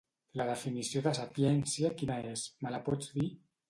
La definició de sapiència quina és, me la pots dir?